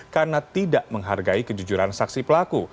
karena tidak menghargai kejujuran saksi pelaku